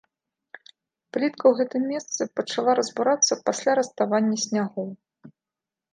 Плітка ў гэтым месцы пачала разбурацца пасля раставання снягоў.